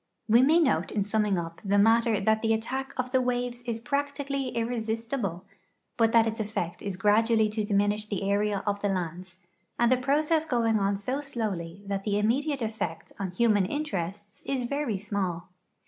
We may note in summing up the matter that the attack of the waves is practically irresistible, but that its effect is graduall}' to diminish the area of the lands, the process going on so slowly that the immediate effect on human interests is veiy small.